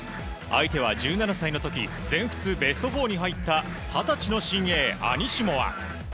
相手は１７歳の時全仏ベスト４に入った二十歳の新鋭アニシモワ。